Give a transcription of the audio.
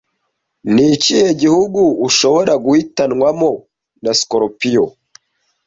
Ni ikihe gihugu ushobora guhitanwamo na sikorupiyo